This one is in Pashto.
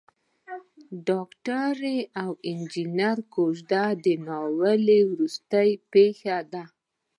د ډاکټرې او انجنیر کوژده د ناول وروستۍ پېښه ده.